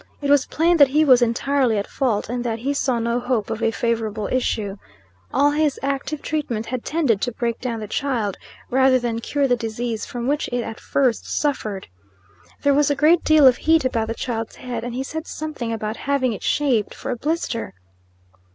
It was plain that he was entirely at fault, and that he saw no hope of a favorable issue. All his, "active treatment" had tended to break down the child, rather than cure the disease from which it at first suffered. There was a great deal of heat about the child's head, and he said something about having it shaved for a blister.